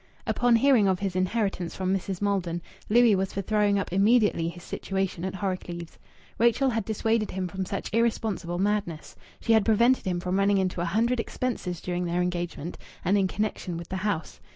Upon hearing of his inheritance from Mrs. Maldon, Louis was for throwing up immediately his situation at Horrocleave's. Rachel had dissuaded him from such irresponsible madness. She had prevented him from running into a hundred expenses during their engagement and in connection with the house.